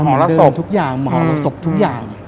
มหอมและศพทุกอย่าง